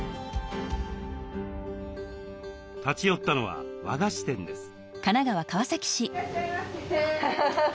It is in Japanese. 立ち寄ったのは和菓子店です。